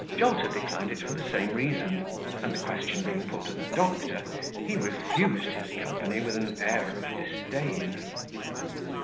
Jolter declined it for the same reason; and the question being put to the doctor, he refused his company with an air of disdain.